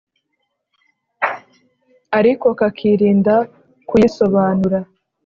ariko kakirinda kuyisobanura